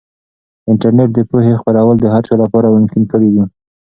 انټرنیټ د پوهې خپرول د هر چا لپاره ممکن کړي دي.